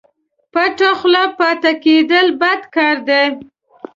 پټه خوله پاته کېدل بد کار دئ